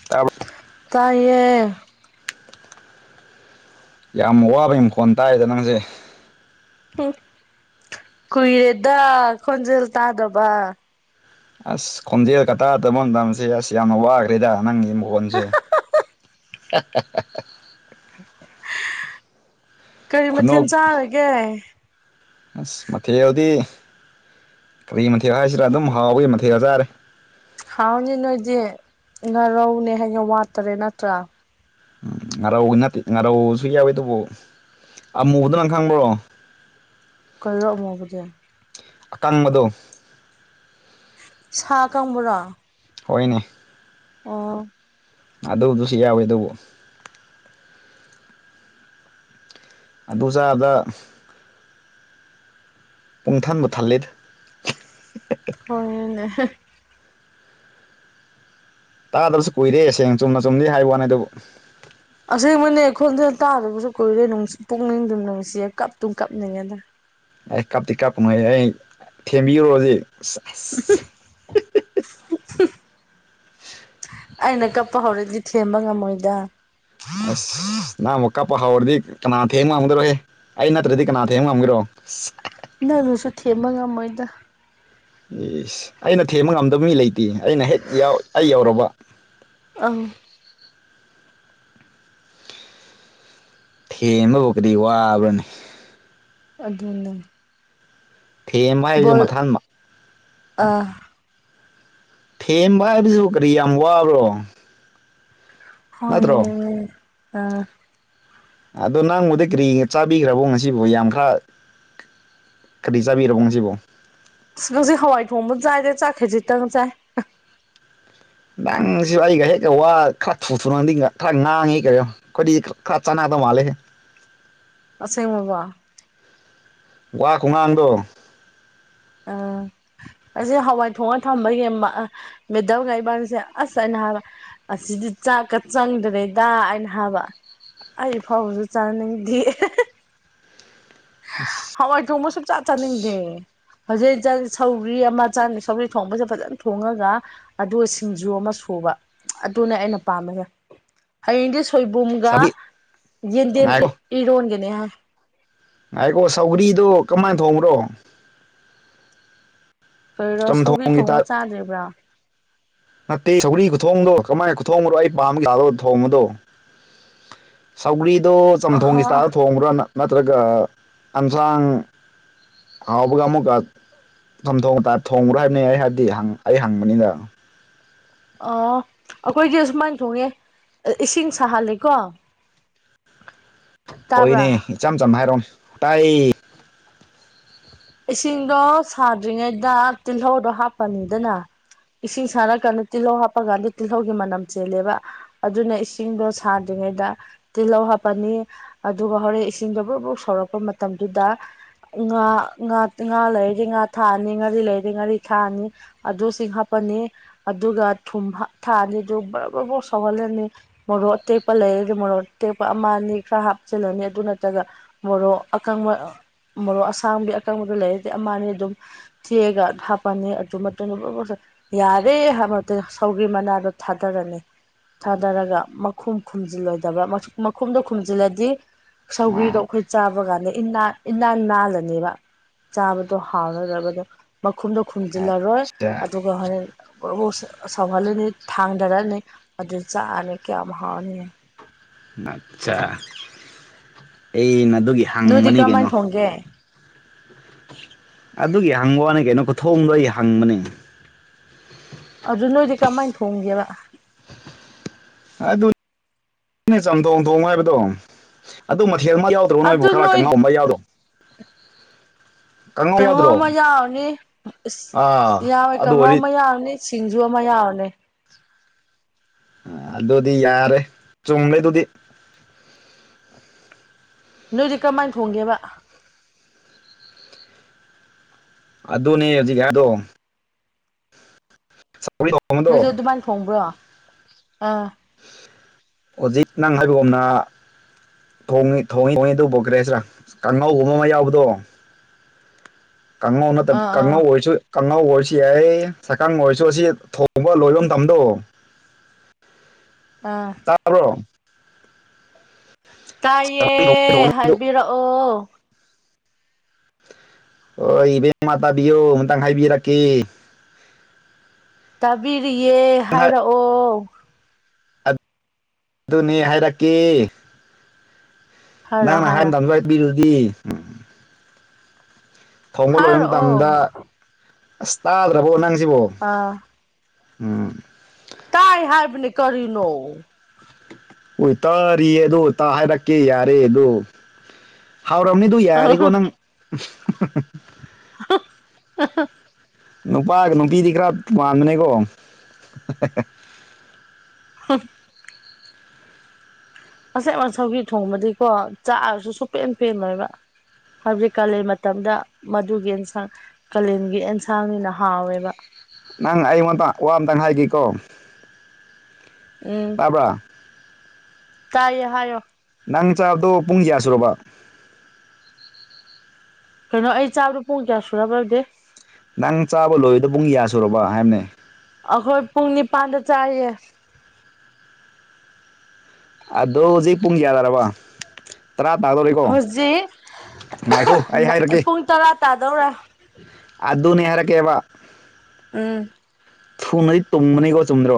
[inaudible] ꯇꯥꯏꯌꯦ꯫ ꯌꯥꯝ ꯋꯥꯕꯩ ꯃꯈꯣꯟ ꯇꯥꯏꯗ ꯅꯪꯖꯦ ꯍꯝ ꯀꯨꯏꯔꯦꯗ ꯈꯣꯟꯖꯦꯜ ꯇꯥꯗꯕ꯫ ꯑꯁ ꯈꯣꯟꯖꯦꯜ ꯀꯇꯥꯗꯕ ꯇꯝꯁꯦ ꯑꯁ ꯌꯥꯝꯅ ꯋꯥꯈ꯭ꯔꯦꯗ ꯅꯪꯒꯤ ꯃꯒꯣꯟꯁꯦ꯫ [unintelligible] ꯀꯔꯤ ꯃꯊꯦꯟ ꯈꯨꯅꯣꯛ ꯆꯥꯔꯒꯦ꯫ ꯑꯁ ꯃꯊꯦꯜꯗꯤ ꯀꯔꯤ ꯃꯊꯦꯜ ꯍꯥꯏꯁꯤꯔꯥ ꯑꯗꯨꯝ ꯍꯥꯎꯕꯒꯤ ꯃꯊꯦꯜꯒ ꯆꯥꯔꯦ꯫ ꯍꯥꯎꯅꯤ ꯅꯣꯏꯗꯤ ꯉꯥꯔꯧꯅꯦ ꯍꯥꯏꯅ ꯋꯥꯠꯇꯔꯦ ꯅꯠꯇ꯭ꯔꯥ꯫ ꯉꯔꯥꯎ ꯅꯠꯇꯦ ꯉꯥꯔꯧꯁꯨ ꯌꯥꯎꯑꯦ ꯗꯨꯕꯨ ꯑꯃꯨꯕꯗꯨ ꯅꯪ ꯈꯪꯕ꯭ꯔꯣ꯫ ꯀꯔꯤꯔꫭ ꯑꯃꯨꯕꯗꯤ꯫ ꯑꯀꯪꯕꯗꯣ꯫ ꯁꯥ ꯑꯀꯪꯕꯔꯣ꯫ ꯍꯣꯏꯅꯦ꯫ ꯑꫭ꯫ ꯑꯗꯨꯗꯨꯁꯨ ꯌꯥꯎꯋꯦ ꯑꯗꯨꯕꯨ ꯑꯗꯨꯖꯥꯗ ꯄꯨꯡꯊꯟꯕꯨ ꯊꯜꯂꯦꯗ꯫ [unintelligible] ꯍꫭꯏꯅꯦ ꯍꯦ꯫ ꯇꯥꯗꯕꯁꯨ ꯀꯨꯏꯔꯦ ꯁꯦꯡ ꯆꯨꯝꯅ ꯆꯨꯝꯅꯤ ꯍꯥꯏꯕ ꯋꯥꯅꯤ ꯑꯗꯨꯕꯨ꯫ ꯑꯁꯦꯡꯕꯅꯦ ꯈꯣꯟꯖꯦꯜ ꯇꯥꯗꯕꯁꯨ ꯀꯨꯏꯔꯦ ꯅꯨꯡꯁ ꯄꯨꯛꯅꯤꯡꯗꯨꯝ ꯅꯨꯡꯁꯤꯌꯦ ꯀꯞꯇꯨꯝ ꯀꯞꯅꯤꯡꯉꯦꯗ꯫ ꯑꯩ ꯀꯞꯇꯤ ꯀꯥꯞꯀꯅꯨꯉꯩ ꯑꯩ ꯊꯦꯝꯕꯤꯔꯣꯖꯤꯛ꯫ [unintelligible] [unintelligible] ꯑꯩꯅ ꯀꯞꯄ ꯍꯧꯔꯛꯗꯤ ꯊꯦꯝꯕ ꯉꯝꯃꯣꯏꯗ꯫ ꯑꯁ ꯅꯍ ꯃꯨꯛꯀꯥ ꯄ ꯍꯥꯎꯔꯗꯤ ꯀꯅꯥ ꯊꯦꯝ ꯃꯝꯗꯔꯣꯍꯦ ꯑꯩ ꯅꯠꯇ꯭ꯔꯗꯤ ꯀꯅꯥ ꯊꯦꯡꯕ ꯉꯝꯒꯔꯣ ꯅꯪ ꯑꯗꯨꯁꯨ ꯊꯦꯝꯕ ꯉꯝꯃꯣꯏꯗ ꯌꯦꯁ ꯑꯩꯅ ꯊꯦꯝꯕ ꯉꯝꯗꯕ ꯃꯤ ꯂꯩꯇꯦ ꯑꯩꯅ ꯍꯦꯛ ꯑꯩ ꯌꯧꯔꯕ ꯑꯪ ꯍꯦꯟꯕꯐꯥꯎꯕꯗꯤ ꯋꯥꯕ꯭ꯔꯅꯤ ꯑꯗꯨꯅ ꯊꯦꯝꯕ ꯍꯥꯏꯕꯁꯨ ꯃꯊꯪꯃꯛ ꯑꯥ ꯊꯦꯝꯕ ꯍꯥꯏꯕꯁꯨ ꯀꯔꯤ ꯌꯥꯝ ꯋꯥꯕꯔꯣ ꯍꯣꯏ ꯑꯗꯣ ꯅꯪꯕꯨꯗ ꯀꯔꯤ ꯆꯥꯕꯤꯈ꯭ꯔꯕꯣ ꯉꯁꯤꯕꯨ ꯌꯥꯝ ꯈꯔ ꯀꯔꯤꯩ ꯆꯥꯕꯤꯔꯔꯕꯣꯁꯤꯖꯤꯕꯣ ꯑ ꯉꯁꯤ ꯍꯋꯥꯏ ꯊꯣꯡꯕ ꯆꯥꯏꯗꯦ ꯆꯥꯛꯈꯩꯖꯤꯇꯪ ꯆꯥꯏ ꯅꯪꯁꯨ ꯑꯩꯒ ꯍꯦꯛꯒ ꯋꯥ ꯈꯔ ꯊꯨ ꯊꯨꯔꯗꯤꯒ ꯈꯔ ꯉꯥꯡꯉꯤ ꯀꯔꯤꯣ ꯀꯗꯤ ꯈꯔꯆꯥꯅꯅꯥ ꯑꯗꯨ ꯃꯥꯜꯦꯦ ꯇꯁꯦꯡꯕꯕꯕꯥ ꯋꯥ ꯈꯣꯡꯍꯥꯡꯗꯣ ꯑ ꯑꯩꯁꯦ ꯍꯋꯥꯏ ꯊꯣꯡꯉ ꯊꯝꯕꯒꯤ ꯃꯤꯦꯗꯜꯒ ꯏꯕꯁꯦ ꯑꯁ ꯑꯅ ꯍꯥꯏꯕ ꯑꯁꯤꯗꯤ ꯆꯥꯛꯀ ꯆꯪꯗꯦ ꯗꯥ ꯍꯥꯏꯅ ꯍꯥꯕ ꯑꯩ ꯐꯥꯎꯕꯁꯨ ꯆꯥꯅꯤꯡꯗꯦ ꯑ ꯍꯋꯥꯏ ꯊꯣꯡꯕ ꯁꯨꯝ ꯆꯥ ꯆꯥꯅꯤꯡꯗꯦ ꯍꯧꯖꯤꯛ ꯁꯧꯔꯤ ꯑꯃ ꯆꯪꯉ ꯁꯧꯔꯤ ꯊꯣꯡꯕꯁꯦ ꯐꯖꯅ ꯊꯣꯡꯉꯒ ꯑꯗꯨꯒ ꯁꯤꯡꯖꯨ ꯑꯃ ꯁꯨꯕ ꯑꯗꯨꯅꯦ ꯑꯩꯅ ꯄꯥꯝꯃꯦꯦ ꯍꯌꯦꯡꯗꯤ ꯁꯣꯏꯕꯨꯝꯒ ꯁꯥꯕꯤ ꯌꯦꯟꯗꯦꯝ ꯉꯥꯏꯈꯣ ꯏꯔꯣꯟꯒꯅꯤ ꯍꯥꯏ ꯍꯥꯏꯈꯣ ꯁꯧꯒ꯭ꯔꯤꯗꯣ ꯀꯃꯥꯏꯅ ꯊꯣꯡꯕ꯭ꯔꯣ ꯀꯩꯔꯣ ꯁꯧꯒꯤ ꯆꯝꯊꯣꯡꯒꯤ ꯊꯣꯡꯕ ꯇꯥꯏꯞ ꯆꯥꯗ꯭ꯔꯤꯕ꯭ꯔꯥ ꯅꯠꯇꯦ ꯁꯧꯔꯤ ꯈꯨꯊꯣꯡꯗꯣ ꯀꯃꯥꯏꯅ ꯈꯨꯊꯣꯡꯕꯅꯣ ꯑꯩ ꯄꯥꯝꯝꯕꯒꯗ ꯊꯣꯡꯕꯗꯣ ꯁꯧꯒ꯭ꯔꯤꯗꯣ ꯆꯝꯊꯣꯡꯒꯤ ꯑꯍꯥ ꯆꯥꯛꯗ ꯊꯣꯡꯕ꯭ꯔꯥꯅ ꯅ꯭ꯔꯒ ꯑꯁꯥꯡ ꯍꯥꯎꯕꯒꯥ ꯑꯃꯨ ꯀ ꯝ ꯊꯣꯡꯕ ꯊꯣꯡꯕ꯭ꯔꯥ ꯍꯥꯏꯕꯅꯤ ꯑꯩ ꯍꯥꯏꯕꯗꯤ ꯑꯩ ꯍꯪꯕꯅꯤꯅ ꯑ ꯑꯩꯈꯣꯏꯗꯤ ꯑꯁꯨꯨꯃꯥꯏꯅ ꯊꯣꯡꯉꯦ ꯏꯁꯤꯡ ꯁꯥꯍꯂꯦꯀꯣ ꯍꯣꯏꯅꯦ ꯇꯥꯕ꯭ꯔꯥ ꯏꯆꯝ ꯆꯝꯅ ꯍꯥꯏꯔꯣꯝ ꯇꯥꯏ ꯏꯁꯤꯡꯗꯣ ꯁꯥꯗ꯭ꯔꯤꯉꯩꯗ ꯇꯤꯜꯍꯧꯗꯣ ꯍꯥꯞꯄꯅꯤꯗꯅ ꯏꯁꯤꯡ ꯁꯥꯔꯛꯀꯥꯟꯗ ꯇꯤꯜꯍꯧ ꯍꯥꯞꯄꯀꯥꯟꯗ ꯇꯤꯜꯍꯧꯒꯤ ꯃꯅꯝ ꯆꯦꯜꯂꯦꯕ ꯑꯗꯨꯅ ꯏꯁꯤꯡꯗꯣ ꯁꯥꯗ꯭ꯔꯤꯉꯩꯗ ꯇꯤꯜꯍꯧ ꯍꯥꯞꯄꯅꯤ ꯑꯗꯨꯒ ꯍꯣꯔꯦꯟ ꯏꯁꯤꯡꯗꯣ ꯕꯨ꯭ꯔꯛ ꯕꯨ꯭ꯔꯛ ꯁꯧꯔꯛꯄ ꯃꯇꯝꯗꯨꯗ [unintelligible] ꯉꯥ ꯉꯥ ꯂꯩꯔꯗꯤ ꯉꯥ ꯊꯥꯑꯅꯤ ꯉꯥꯔꯤ ꯂꯩꯔꯗꯤ ꯉꯥꯔꯤ ꯊꯥꯑꯅꯤ ꯑꯗꯨꯁꯤꯡ ꯍꯥꯞꯄꯅꯤ ꯑꯗꯨꯒ ꯊꯨꯝ ꯊꯥꯅꯤꯗꯨ ꯕꯔ ꯕꯔꯐꯥꯎ ꯁꯧꯍꯜꯂꯅꯤ ꯃꯣꯔꯣꯛ ꯑꯇꯦꯛꯄ ꯂꯩꯔꯗꯤ ꯃꯣꯔꯣꯛ ꯑꯇꯦꯛꯄ ꯑꯃ ꯑꯅꯤ ꯈꯔ ꯍꯥꯞꯆꯤꯜꯂꯅꯤ ꯑꯗꯨ ꯅꯠꯇ꯭ꯔꯒ ꯃꯣꯔꯣꯛ ꯑꯀꯪꯕ ꯃꯣꯔꯣꯛ ꯑꯁꯥꯡꯕꯤ ꯑꯀꯪꯕꯗꯨ ꯂꯩꯔꯗꯤ ꯑꯃꯅꯤꯅꯤ ꯑꯗꯨꯝ ꯆꯦꯒ ꯍꯥꯞꯄꯅꯤ ꯑꯗꯨ ꯃꯇꯨꯡꯗ ꯌꯥꯔꯦ ꯍꯥꯏꯕ ꯁꯧꯒꯤ ꯃꯅꯥꯗꯣ ꯊꯥꯗꯔꯅꯤ ꯊꯥꯗꯔꯒ ꯃꯈꯨꯝ ꯈꯨꯝꯖꯤꯜꯂꯣꯏꯗꯕ꯭ꯔ ꯃꯈꯨꯝꯗꯣ ꯈꯨꯝꯖꯤꯜꯂꯗꯤ ꯁꯧꯒ꯭ꯔꯤꯗꯣ ꯑꯩꯈꯣꯏ ꯆꯥꯕ ꯀꯥꯟꯗ ꯏ ꯏꯅꯥꯜ ꯅꯥꯜꯂꯅꯦꯕ ꯆꯥꯕꯗꯣ ꯍꯥꯎꯔꯔꯕꯗꯣ ꯃꯈꯨꯝꯗꯣ ꯈꯨꯝꯖꯤꯜꯂꯔꯣꯏ ꯑꯠꯆꯥ ꯑꯗꯨꯒ ꯔ ꯁꯋꯥꯂ ꯅ ꯊꯥꯥꯡꯗꯔ ꯅ ꯑꯗꯨ ꯆꯅ ꯀꯌꯥꯝ ꯍꯥꯎꯔꯅꯤ ꯉꯆꯥ ꯑꯩꯅꯗꯨꯒꯤ ꯅꯣꯏꯗꯤ ꯀꯔꯝꯍꯥꯣꯅ ꯊꯣꯡꯒꯦ ꯑꯗꯨꯒꯤ ꯍꯪꯕ ꯋꯥꯅꯤ ꯀꯩꯅꯣ ꯈꯨꯊꯣꯡꯗꯣ ꯑꯩ ꯍꯪꯕꯅꯦ ꯑꯗꯨ ꯅꯣꯏꯗꯤ ꯀꯃꯥꯏꯅ ꯊꯣꯡꯒꯦꯕ ꯑꯗꯨ ꯆꯝꯊꯣꯡ ꯊꯣꯡ ꯍꯥꯏꯕꯗꯣ ꯑꯗꯨ ꯃꯊꯦꯜ ꯑꯃ ꯌꯥꯎ ꯇ꯭ꯔꯣ ꯅꯣꯏꯕꯨ ꯑꯗꯨ ꯈꯔ ꯅꯣꯏ ꯀꯪꯎꯕ ꯌꯥꯎꯔꯣ ꯀꯥꯡꯉꯧ ꯀꯥꯡꯍꯧ ꯌꯥꯎꯗ꯭ꯔꯣ ꯑꯃ ꯌꯥꯎꯔꯅꯤ ꯑꯥ ꯑ ꯌꯥꯎꯋꯦ ꯑꯗꯨ ꯀꯥꯡꯉꯥꯎ ꯑꯣꯏꯔꯗꯤ ꯑꯃ ꯌꯥꯎꯔꯅꯤ ꯁꯤꯡꯖꯨ ꯑꯃ ꯌꯥꯎꯔꯅꯦ ꯑꯗꯨꯗꯤ ꯌꯥꯔꯦ ꯆꯨꯝꯂꯦꯗꯨꯗꯤ ꯅꯣꯏꯗꯤ ꯀꯃꯥꯏꯅ ꯊꯣꯡꯒꯦꯕ ꯑꯗꯨꯅꯦ ꯍꯧꯖꯤꯛ ꯍꯥꯏꯗꯣ ꯁꯧꯒ꯭ꯔꯤ ꯊꯣꯡꯕꯗꯣ ꯅꯣꯢꯖꯨ ꯑꯗꯨꯃꯥꯢꯅ ꯊꯣꯡꯕ꯭ꯔꯣ ꯑꯥ ꯍꯧꯖꯤꯛ ꯅꯪ ꯍꯥꯏꯕꯒꯨꯝꯅ ꯊꯣꯡꯉꯦ ꯊꯣꯡꯉꯤ ꯊꯣꯡꯉ ꯑꯗꯨꯕꯨ ꯀꯔꯤ ꯍꯥꯢꯁꯤꯔ ꯀꯥꯡꯉꯧꯒꯨꯝꯕ ꯑꯃ ꯌꯥꯎꯕꯗꯣ ꯀꯪꯉꯧ [inaudible] ꯇ ꯀꯉꯣ ꯑꯥ ꯑꯣꯣꯏꯨ ꯀꯥꯡꯉꯥꯎ ꯑꯣꯏꯔꯁꯨ ꯌꯥꯏ ꯁꯛꯀꯪ ꯑꯣꯏꯔꯁꯨ ꯑꯁꯤ ꯊꯣꯡꯕ ꯂꯣꯏꯕ ꯇꯝꯗꯣ ꯑꯥ ꯇꯥꯕꯔꯣ ꯇꯥꯏꯌꯦ ꯊꯣꯡꯉꯤꯗꯣ ꯍꯥꯏꯕꯤꯔꯛꯑꯣ ꯍꯣ ꯏꯕꯦꯝꯃꯥ ꯇꯥꯕꯤꯌꯨ ꯑꯃꯨꯇꯪ ꯍꯥꯏꯕꯤꯔꯛꯀꯦ ꯇꯥꯕꯤꯔꯤꯌꯦ ꯍꯥꯏꯔꯛꯑꯣ ꯑꯗꯨꯅꯦ ꯍꯥꯏꯔꯛꯀꯦ ꯍꯥꯏꯔꯣ ꯅꯪ ꯍꯥꯏꯔꯣ ꯅꯍꯥꯟꯗꯥꯝꯖꯋꯥꯏꯗ [inaudible] ꯄꯤꯔꯨꯗꯤ ꯊꯣꯡꯒ ꯂꯣꯏꯕ ꯍꯥꯏꯔꯛꯑꯣ ꯃꯇꯝꯗ ꯑꯁ ꯇꯥꯗ꯭ꯔꯕꯣ ꯅꯪꯁꯤꯕꯣ ꯑꯥ ꯎꯝ ꯇꯥꯏ ꯍꯥꯏꯕꯅꯦ ꯀꯔꯤꯅꯣ ꯑꯣꯏ ꯇꯥꯔꯤꯌꯦꯗꯣ ꯑꯣꯏ ꯇ ꯍꯥꯏꯔꯛꯀꯦ ꯌꯥꯔꯦꯗꯣ ꯍꯥꯎꯔꯝꯅꯤ ꯗꯨ ꯌꯥꯔꯦꯀꯣ ꯅꯪ [inaudible] ꯅꯨꯄꯥꯒ ꯅꯨꯄꯤꯗꯤ ꯈꯔ ꯃꯥꯟꯕꯅꯦꯀꯣ ꯍ [inaudible] ꯑꯁꯦ ꯃꯁꯧꯒꯤ ꯊꯣꯡꯕꯗꯤꯀꯣ ꯆꯥꯛꯔꯁꯨ ꯁꯨꯄꯦꯟ ꯄꯦꯟꯂꯣꯏꯕ ꯍꯥꯏꯕꯗꯤ ꯀꯥꯂꯦꯟ ꯃꯇꯝꯗ ꯃꯗꯨꯒꯤ ꯑꯦꯟꯁꯥꯡ ꯀꯥꯂꯦꯟꯒꯤ ꯑꯦꯟꯁꯥꯡꯅꯤꯅ ꯍꯥꯎꯋꯦꯕ ꯅꯪ ꯑꯩꯉꯣꯟꯇ ꯋꯥ ꯑꯃꯇꯪ ꯍꯥꯏꯒꯦꯀꯣ ꯎꯝ ꯇꯥꯕ꯭ꯔꯥ ꯇꯥꯏꯌꯦ ꯍꯥꯏꯌꯣ ꯅꯪ ꯆꯥꯕꯗꯣ ꯄꯨꯡ ꯀꯌꯥ ꯁꯨꯔꯕ ꯀꯩꯅꯣ ꯑꯩ ꯆꯥꯕꯗꯣ ꯄꯨꯡ ꯀꯌꯥ ꯁꯨꯔꯕꯗꯤ ꯅꯪ ꯆꯥꯕ ꯂꯣꯏꯗ ꯄꯨꯡ ꯌꯥ ꯁꯨꯔꯕ ꯍꯥꯏꯕꯅꯦ꯫ ꯑꯩꯈꯣꯏ ꯄꯨꯡ ꯅꯤꯄꯥꯟꯗ ꯆꯥꯏꯌꯦ ꯑꯗꯣ ꯍꯧꯖꯤꯛ ꯄꯨꯡ ꯀꯌꯥ ꯇꯔꯕ ꯇꯔꯥ ꯇꯥꯗꯣꯔꯤꯀꯣ ꯍꯧꯖꯤꯛ ꯉꯥꯏꯈꯣ ꯑꯩ ꯍꯥꯏꯔꯛꯒꯦ ꯄꯨꯡ ꯇꯔꯥ ꯇꯥꯗꯧꯔꯦ ꯑꯗꯨꯅꯦ ꯍꯥꯢꯔꯛꯒꯦ ꯎꯝ ꯊꯨꯅꯗꯤ ꯇꯨꯝꯕꯅꯤꯀꯣ ꯆꯨꯝꯗ꯭ꯔꯣ꯫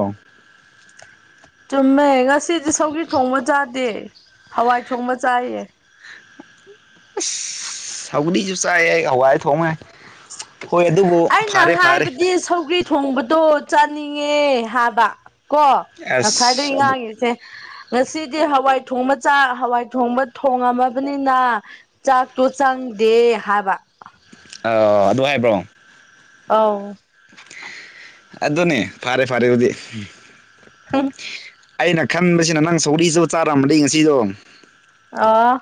ꯆꯨꯝꯃꯦ ꯉꯁꯤꯗꯤ ꯁꯧꯒꯤ ꯊꯣꯡꯕ ꯆꯥꯗꯦ ꯍꯋꯥꯏ ꯊꯣꯡꯕ ꯆꯥꯏꯌꯦ ꯑꯁ ꯁꯧꯒꯔꯤꯁꯨ ꯆꯥꯏꯑꯦ ꯍꯋꯥꯏ ꯊꯣꯡꯉꯦ ꯍꯥꯢ ꯍꯣꯏ ꯑꯗꯨꯕꯨ ꯑꯩꯅ ꯐꯔꯦ ꯐꯔꯦ ꯍꯥꯏꯕꯗꯤ ꯁꯧꯒ꯭ꯔꯤ ꯊꯣꯡꯕꯗꯣ ꯆꯥꯅꯤꯡꯉꯦ ꯍꯥꯏꯕ ꯀꯣ ꯉꯁꯥꯏꯗꯒꯤ ꯑꯁ ꯑꯗꯨ ꯉꯥꯡꯉꯤꯁꯦ ꯉꯁꯤꯗꯤ ꯍꯋꯥꯏ ꯊꯣꯡꯕ ꯆꯥꯛ ꯍꯋꯥꯏ ꯊꯣꯡꯕ ꯊꯣꯡꯉꯝꯃꯕꯅꯤꯅ ꯆꯥꯛꯇꯨ ꯆꯪꯗꯦ ꯍꯥꯏꯕ ꯑꯥ ꯑꯗꯨ ꯍꯥꯏꯕ꯭ꯔꯣ ꯑꯥꯎ ꯑꯗꯨꯅꯦ ꯐꯔꯦ ꯐꯔꯦ ꯎꯗꯤ ꯍꯨꯝ ꯑꯩꯅ ꯈꯟꯕꯁꯤꯅ ꯅꯪ ꯁꯧꯒꯔꯤꯁꯨ ꯆꯥꯔꯝꯕꯗꯤ ꯉꯁꯤꯗꯣ ꯑꯣ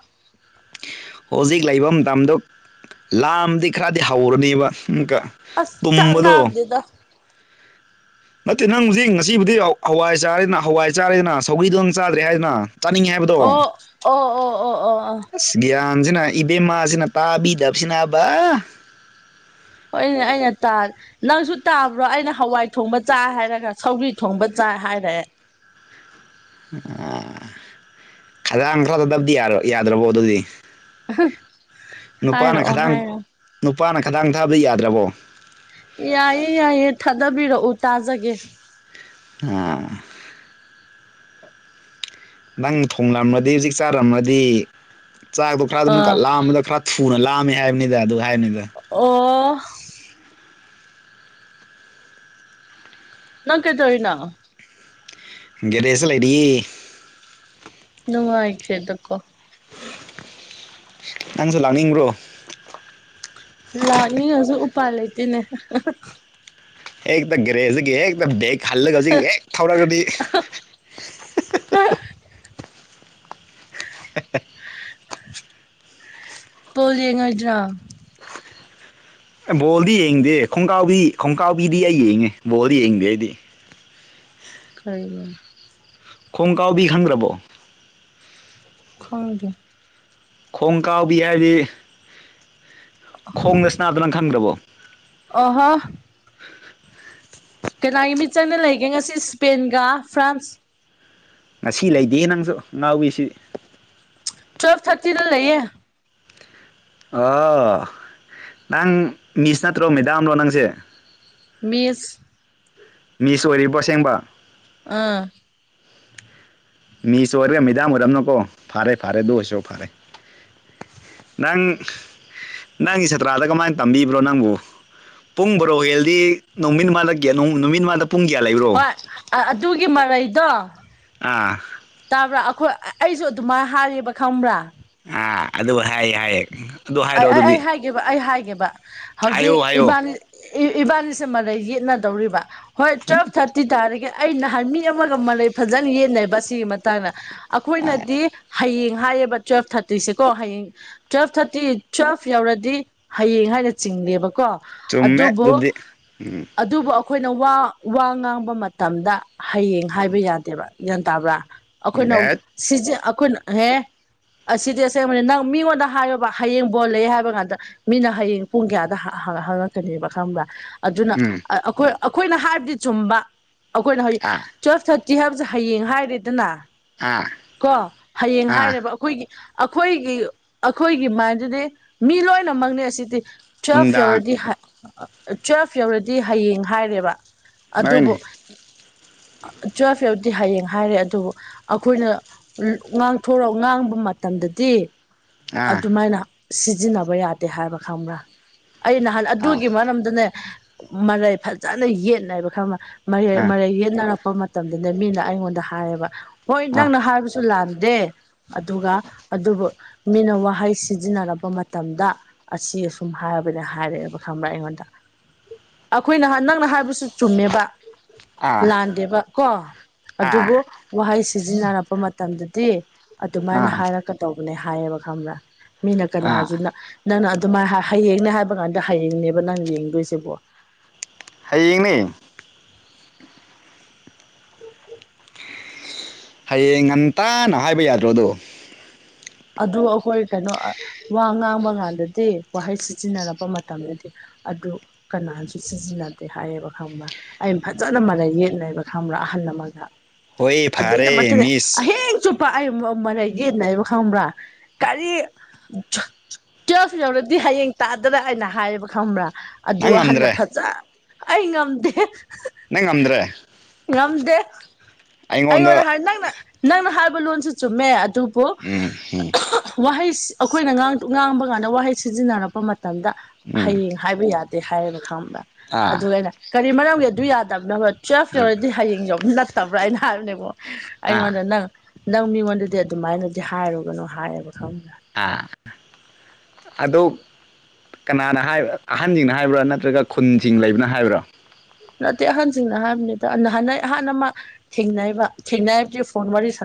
ꯍꯧꯖꯤꯛ ꯂꯩꯕ ꯃꯇꯝꯗꯣ ꯂꯥꯝꯗꯤ ꯈꯔꯗꯤ ꯍꯧꯔꯅꯦꯕ ꯑꯃꯨꯛꯀꯥ ꯑꯁ ꯆꯥꯛꯂꯝꯗꯦꯗꯥ ꯅꯠꯇꯦ ꯅꯪ ꯍꯧꯖꯤꯛ ꯉꯁꯤꯕꯨꯗꯤ ꯍꯋꯥꯏ ꯆꯥꯔꯦꯗꯅ ꯍꯋꯥꯏ ꯆꯥꯔꯦꯗꯅ ꯁꯧꯒꯤꯗꯣ ꯆꯥꯗ꯭ꯔꯦ ꯍꯥꯏꯗꯅ ꯆꯥꯅꯤꯡꯉꯦ ꯍꯥꯏꯕꯗꯣ ꯑꯣ ꯑꯣ ꯑꯣ ꯑꯣ ꯑꯣ ꯑꯣ ꯒꯤꯌꯥꯟꯁꯤꯅ ꯏꯕꯦꯝꯃꯥꯁꯤꯅ ꯇꯥꯕꯤꯗꯕꯁꯤꯅꯕ ꯍꯣꯏ ꯑꯩꯅ ꯇꯥ ꯅꯪꯁꯨ ꯇꯥꯕ꯭ꯔꯣ ꯑꯩꯅ ꯍꯋꯥꯏ ꯊꯣꯡꯕ ꯆꯥꯏ ꯍꯥꯏꯔꯒ ꯁꯧꯒꯔꯤ ꯊꯣꯡꯕ ꯆꯥꯏ ꯍꯥꯏꯔꯑꯦ ꯑ ꯈꯗꯥꯡ ꯊꯗꯥꯗꯕꯗꯤ ꯌꯥꯔ ꯌꯥꯗ꯭ꯔꯕꯣ ꯑꯗꯨꯗꯤ ꯅꯨꯄꯥꯅ ꯍꯥꯏꯔꯛꯑꯣ ꯈꯗꯥꯡ ꯍꯥꯏꯔꯛꯑꯣ ꯅꯨꯄꯥꯅ ꯈꯗꯥꯡ ꯊꯥꯕꯗꯤ ꯌꯥꯗ꯭ꯔꯕꯣ ꯌꯥꯏꯌꯦ ꯌꯥꯏꯌꯦ ꯊꯥꯗꯕꯤꯔꯛꯎ ꯇꯥꯖꯒꯦ ꯑꯝ ꯅꯪ ꯊꯣꯡꯂꯝꯔꯗꯤ ꯍꯧꯖꯤꯛ ꯆꯥꯔꯝꯃꯗꯤ ꯆꯥꯛꯗꯣ ꯈꯔ ꯑꯗꯨꯝ ꯀꯠ ꯑꯥ ꯂꯝꯕꯗꯣ ꯈꯔ ꯊꯨꯅ ꯂꯥꯑꯝꯃꯦ ꯍꯥꯏꯕꯅꯤꯗ ꯑꯗꯨ ꯍꯥꯏꯕꯅꯤꯗ ꯑꯣ [inaudible] ꯅꯪ ꯀꯩ ꯇꯔꯤꯅꯣ ꯒꯦꯗꯦꯁ ꯂꯩꯔꯤ ꯅꯨꯉꯥꯏꯈ꯭ꯔꯦꯗꯀꯣ ꯅꯪꯁꯨ ꯂꯥꯡꯅꯤꯡꯕ꯭ꯔꯣ ꯂꯥꯛꯅꯤꯡꯉꯁꯨ ꯎꯄꯥꯥꯏ ꯂꯩꯇꯦꯅꯦ ꯍꯦꯛꯇ ꯒꯔꯦ ꯍꯧꯖꯤꯛ ꯍꯦꯛꯇ ꯕꯦꯛ ꯍꯜꯂꯒ ꯍꯧꯖꯤꯛ ꯍꯦꯛ ꯊꯧꯔꯒꯗꯤ [unintelligible] ꯄꯣꯜ ꯌꯦꯡꯉꯣꯏꯗ꯭ꯔꯥ ꯑꯦ ꯕꯣꯜꯗꯤ ꯌꯦꯡꯗꯦ ꯈꯣꯡꯀꯥꯎꯕꯤ ꯈꯣꯡꯀꯥꯎꯕꯤꯗꯤ ꯑꯩ ꯌꯦꯡꯉꯦ ꯕꯣꯜꯗꯤ ꯌꯦꯡꯗꯦ ꯑꯩꯗꯤ ꯀꯔꯤꯅꯣ ꯈꯣꯡ ꯀꯥꯎꯕꯤ ꯈꯪꯗ꯭ꯔꯕꯣ ꯈꯪꯗꯦ ꯈꯣꯡ ꯀꯥꯎꯕꯤ ꯍꯥꯏꯔꯗꯤ ꯈꯣꯡꯗ ꯁꯅꯥꯕꯗ ꯅꯪ ꯈꯪꯗ꯭ꯔꯕꯣ ꯑꯣꯍꯣ ꯀꯅꯥꯒꯤ ꯃꯤꯠ ꯆꯪꯅ ꯂꯩꯒꯦ ꯉꯁꯤ ꯏꯁꯄꯦꯟꯒ ꯐ꯭ꯔꯥꯟꯁ ꯉꯁꯤ ꯂꯩꯇꯦ ꯅꯪꯁꯨ ꯑꯉꯥꯎꯕꯤꯁꯤ ꯇꯨꯋꯦꯜꯞ ꯊꯥꯔꯇꯤꯗ ꯂꯩꯌꯦ ꯑꯣ ꯅꯪ ꯃꯤꯁ ꯅꯠꯇ꯭ꯔꯣ ꯃꯦꯗꯥꯝꯂꯣ ꯅꯪꯁꯦ ꯃꯤꯁ ꯃꯤꯁ ꯑꯣꯏꯔꯤꯕꯣ ꯑꯁꯦꯡꯕ ꯑꯥ ꯃꯤꯁ ꯑꯣꯏꯔꯒ ꯃꯤꯗꯥꯝ ꯑꯣꯏꯔꯝ ꯅꯀꯣ ꯐꯔꯦ ꯐꯥꯔꯦ ꯑꯗꯨ ꯑꯣꯏꯁꯨ ꯐꯥꯔꯦ ꯅꯪ ꯅꯪꯒꯤ ꯁꯥꯇ꯭ꯔꯗ ꯀꯃꯥꯏꯅ ꯇꯝꯕꯤꯕ꯭ꯔꯣ ꯅꯪꯕꯨ ꯄꯨꯡ ꯕ꯭ꯔꯣ ꯍ‌ꯦꯜꯂꯗꯤ ꯅꯃꯤꯠꯃꯥꯂꯒ‌ꯦ ꯅꯨꯃꯤꯠꯃꯥꯗ ꯄꯨꯡ ꯀꯌꯥ ꯂꯩ ꯍꯣꯏ ꯑꯗꯨꯒꯤ ꯃꯔꯩꯗꯣ ꯑꯥ ꯇꯥꯕ꯭ꯔꯥ ꯑꯩꯈꯣꯏ ꯑꯩꯁꯨ ꯑꯗꯨꯃꯥꯏꯅ ꯍꯥꯏꯌ‌ꯦꯕ ꯈꯪꯕ꯭ꯔꯥ ꯑꯥ ꯑꯗꯨ ꯍꯥꯏꯌꯦ ꯍꯥꯏꯌꯦ꯫ ꯑꯗꯨ ꯑꯩ ꯍꯥꯏꯔꯣ ꯑꯩ ꯑꯗꯨꯗꯤ ꯑꯩ ꯍꯥꯏꯒꯦꯕ ꯑꯩ ꯍꯥꯏꯒꯦꯕ ꯍꯧꯖꯤꯛ ꯍꯥꯏꯌꯣ ꯍꯥꯏꯌꯣ ꯏꯕꯥꯅꯤ ꯎ ꯏꯕꯥꯅꯤꯁꯦ ꯃꯔꯩ ꯌꯦꯠꯅꯗꯧꯔꯤꯕ ꯍꯣꯏ ꯇꯨꯋꯦꯜꯐ ꯊꯥꯔꯇꯤ ꯇꯥꯔꯒ‌ꯦ ꯑꯩ ꯅꯍꯥꯟ ꯃꯤ ꯑꯃꯒ ꯃꯔꯩ ꯐꯖꯅ ꯌꯦꯠꯅꯩꯕ ꯁꯤꯒꯤ ꯃ ꯇꯥꯡꯅ ꯑꯩꯈꯣꯏꯅꯗꯤ ꯍꯌꯦꯡ ꯍꯥꯏꯌꯦꯕ ꯇꯨꯋ‌ꯦꯜꯐ ꯊꯥꯔꯇꯤꯁꯦꯀꯣ ꯍꯌꯦꯡ ꯇꯨꯋ‌ꯦꯜꯐ ꯊꯥꯔꯇꯤ ꯇꯨꯋꯦꯜꯐ ꯌꯧꯔꯗꯤ ꯍꯌꯦꯡ ꯍꯥꯏꯅ ꯆꯤꯡꯂꯦꯕꯀꯣ ꯆꯨꯝꯃꯦ ꯑꯗꯨꯕꯨ ꯑꯗꯨꯕꯨꯗꯤ ꯎꯝ ꯑꯗꯨꯕꯨ ꯑ ꯑꯩꯈꯣꯏꯅ ꯋꯥ ꯋꯥ ꯉꯥꯡꯕ ꯃꯇꯝꯗ ꯍꯌꯦꯡ ꯍꯥꯏꯕ ꯌꯥꯗꯦꯕ ꯒ꯭ꯌꯥꯟ ꯇꯥꯕ꯭ꯔꯥ ꯑꯩꯈꯣꯏꯅ ꯗꯦꯠ ꯁꯤꯁ‍ꯦ ꯑꯩꯈꯣꯏꯅ ꯍ‌‌ꯦ ꯑꯁꯤꯗꯤ ꯑꯁꯦꯡꯕꯅꯤ ꯅꯪ ꯃꯤꯉꯣꯟꯗ ꯍꯥꯏꯌꯣꯕ ꯍꯌꯦꯡ ꯕꯣꯜꯂꯦ ꯍꯥꯏꯕ ꯀꯥꯟꯗ ꯃꯤꯅ ꯍꯌꯦꯡ ꯄꯨꯡ ꯀꯌꯥꯗ ꯍꯪ ꯍꯪ ꯍꯪꯉꯛꯀꯅꯦꯕ ꯈꯪꯕ꯭ꯔꯥ ꯑꯗꯨꯅ ꯎꯝ ꯑꯩꯈꯣꯏ ꯑꯩꯈꯣꯏꯅ ꯍꯥꯏꯕꯗꯤ ꯆꯨꯝꯕ ꯑꯩꯈꯣꯏꯅ ꯍꯥꯏ ꯑꯥ ꯇꯨꯋꯦꯜꯞ ꯊꯥꯔꯇꯤ ꯍꯥꯏꯕꯁꯦ ꯍꯌꯦꯡ ꯍꯥꯏꯔꯦꯗꯅ꯫ ꯑꯥ ꯀꯣ ꯍꯌꯦꯡ ꯑꯥ ꯍꯥꯏꯔꯕ ꯑꯩꯈꯣꯏꯒꯤ ꯑꯩꯈꯣꯏꯒꯤ ꯑꯩꯈꯣꯏꯒꯤ ꯃꯥꯏꯟꯗꯨꯗꯤ ꯃꯤ ꯂꯣꯏꯅꯃꯛꯅ‌ꯦ ꯑꯁꯤꯗꯤ ꯇꯨꯋ‌ꯦꯜꯐ ꯅꯨꯡꯗꯥꯡ ꯌꯧꯔꯗꯤ ꯍ ꯇꯨꯋ‌ꯦꯜꯐ ꯌꯧꯔꯗꯤ ꯍꯌꯦꯡ ꯍꯥꯏꯔꯦꯕ ꯑꯗꯨꯕꯨ ꯍꯣꯏꯅꯦ ꯇꯨꯋꯦꯜꯐ ꯌꯧꯗꯤ ꯍꯌꯦꯡ ꯍꯥꯏꯔꯦ ꯑꯗꯨꯕꯨ ꯑꯩꯈꯣꯏꯅ꯫ ꯉꯥꯡꯊꯣꯔꯛꯑꯣ ꯉꯥꯡꯕ ꯃꯇꯝꯗꯗꯤ ꯑꯥ ꯑꯗꯨꯃꯥꯏꯅ ꯁꯤꯖꯤꯟꯅꯕ ꯌꯥꯗꯦ ꯍꯥꯏꯕ ꯈꯪꯕ꯭ꯔꯥ ꯑꯩ ꯅꯍꯥꯟ ꯑꯥ ꯑꯗꯨꯒꯤ ꯃꯔꯝꯗꯅꯦ ꯃꯔꯩ ꯐꯖꯅ ꯌꯦꯠꯅꯩꯕꯔ ꯈꯪꯕ ꯃꯔꯩ ꯑꯥ ꯃꯔꯩ ꯌꯦꯠꯅꯔ꯫ ꯄ ꯃꯇꯝꯗꯅ ꯃꯤꯅ ꯑꯩꯉꯣꯟꯗ ꯍꯥꯏꯌꯦꯕ ꯍꯣꯏ ꯑꯥ ꯅꯪꯅ ꯍꯥꯏꯕꯁꯨ ꯂꯥꯟꯗꯦ ꯑꯗꯨꯒ ꯑꯗꯨꯕꯨ ꯃꯤꯅ ꯋꯥꯍꯩ ꯁꯤꯖꯤꯟꯅꯔꯛꯄ ꯃꯇꯝꯗ ꯑꯁꯤꯁꯨꯝ ꯍꯥꯏꯕꯅꯦ ꯍꯥꯏꯔꯛꯑꯦꯕ ꯈꯪꯕ꯭ꯔꯥ ꯑꯩꯉꯣꯟꯗ ꯑꯩꯈꯣꯏ ꯅꯍꯟ ꯅꯪꯅ ꯍꯥꯏꯕꯁꯨ ꯆꯨꯝꯃꯦꯕ꯫ ꯑꯥ ꯂꯥꯟꯗꯦꯕ ꯀꯣ ꯑꯥ ꯑꯗꯨꯕꯨ ꯋꯥꯍꯩ ꯁꯤꯖꯤꯟꯅꯔꯛꯄ ꯃꯇꯝꯗꯗꯤ__ ꯑꯗꯨꯃꯥꯏꯅ ꯑꯥ ꯍꯥꯏꯔꯛꯀꯗꯧꯕꯅꯦ ꯍꯥꯏꯌꯦꯕ ꯈꯪꯕ꯭ꯔꯥ ꯃꯤꯅ ꯑꯥ ꯀꯅꯥꯖꯨꯅ ꯅꯪꯅ ꯑꯗꯨꯃꯥꯏꯅ ꯍ ꯍꯌꯦꯡꯅꯦ ꯍꯥꯏꯕ ꯀꯥꯟꯗ ꯍꯌꯦꯡꯅꯦꯕ ꯅꯪ ꯌꯦꯡꯗꯣꯏꯁꯤ ꯕꯣꯜ ꯍꯌꯦꯡꯅꯦ꯫ ꯍꯌꯦꯡ ꯉꯟꯇꯥꯅ ꯍꯥꯏꯕ ꯌꯥꯗ꯭ꯔꯣꯗꯣ ꯑꯗꯨ ꯑꯩꯈꯣꯏ ꯀꯩꯅꯣ ꯋꯥ ꯉꯥꯡꯕ ꯀꯥꯟꯗꯗꯤ ꯋꯥꯍꯩ ꯁꯤꯖꯤꯟꯅꯔꯛꯄ ꯃꯇꯝꯗꯗꯤ ꯑꯗꯨ ꯀꯅꯥꯖꯨ ꯁꯤꯖꯤꯟꯅꯗꯦ ꯍꯥꯏꯌꯦꯕ ꯈꯪꯕꯔ ꯑꯩ ꯐꯖꯅ ꯃꯔ‌ꯩ ꯌꯦꯠꯅꯩꯕ ꯈꯪꯕ꯭ꯔꯥ ꯑꯍꯜ ꯑꯃꯒ ꯍꯣꯏ ꯐꯔꯦ ꯑꯗꯨꯏꯗꯃꯛꯇꯅꯦ ꯃꯤꯁ ꯑꯍꯤꯡ ꯆꯨꯞꯄ ꯑꯩ ꯃꯥ ꯃꯔꯩ ꯌꯦꯠꯅꯩꯕ ꯈꯪꯕ꯭ꯔꯥ ꯀꯔꯤ ꯇꯨꯌꯦꯜꯐ ꯌꯧꯔꯗꯤ ꯍꯌꯦꯡ ꯇꯥꯗꯔ ꯍꯥꯏꯅ ꯍꯥꯏꯕ ꯈꯪꯕ꯭ꯔꯥ ꯑꯗꯨ ꯅꯪ ꯑꯍꯟꯅ ꯉꯝꯗ꯭ꯔꯦ ꯐꯖ ꯑꯩ ꯉꯝꯗꯦ ꯅꯪ ꯉꯝꯗ꯭ꯔꯦ ꯉꯝꯗꯦ ꯑꯩꯉꯣꯟꯗ ꯍꯥꯏ ꯅꯪꯅ ꯅꯪꯅ ꯍꯥꯏꯕ ꯂꯣꯟꯁꯨ ꯆꯨꯝꯃꯦ ꯑꯗꯨ꯫ ꯕꯨ ꯎꯝ ꯎꯝ ꯋꯥꯍꯩ ꯑꯩꯈꯣꯏꯅ ꯉꯥꯡ ꯉꯥꯡꯕ ꯀꯥꯟꯗ ꯋꯥꯍꯩ ꯁꯤꯖꯤꯟꯅꯔꯛꯄ ꯃ ꯃꯇꯝꯗ ꯎꯝ ꯍꯌꯦꯡ ꯍꯥꯏꯕ ꯌꯥꯗꯦ ꯍꯥꯏꯌꯦꯕ ꯈꯪꯕ꯭ꯔꯥ ꯑꯥ ꯑꯗꯨꯒꯤ ꯑꯩꯅ ꯀꯔꯤ ꯃꯔꯝꯒꯤ ꯑꯗꯨ ꯌꯥꯗꯕꯅꯣꯕ ꯇꯨꯋꯜꯐ ꯑꯥ ꯌꯧꯔꯗꯤ ꯍꯌꯦꯡ ꯌꯧ ꯅꯠꯇꯕ꯭ꯔꯥꯑꯅ ꯍꯥꯏꯕꯅꯦꯀ‌ꯣ ꯑꯥ ꯑꯩꯉꯣꯟꯗ ꯅꯪ ꯅꯪ ꯃꯤꯉꯣꯟꯗꯗꯤ ꯑꯗꯨꯃꯥꯏꯅꯗꯤ ꯍꯥꯏꯔꯨꯒꯅꯨ ꯍꯥꯏꯌꯦꯕ ꯈꯪ ꯑ ꯑꯗ‌ꯨ ꯀꯅꯥꯅ ꯍꯥꯏꯕ ꯑꯍꯟꯁꯤꯡꯅ ꯍꯥꯏꯕ꯭ꯔꯥ ꯅꯠꯇ꯭ꯔꯒ ꯈꯨꯟꯁꯤꯡ ꯂꯩꯕꯅ ꯍꯥꯏꯕ꯭ꯔꯥ ꯅꯠꯇꯦ ꯑꯍꯟꯁꯤꯡꯅ ꯍꯥꯏꯕꯅꯤꯗ ꯅꯍꯥꯟ ꯑꯩ ꯑꯍꯥꯟꯕ ꯑꯃ ꯊꯦꯡꯅꯩꯕ ꯊꯦꯡꯅꯀꯤ ꯐꯣꯟ ꯋꯥꯔꯤ ꯁꯥꯟꯅꯕ꯫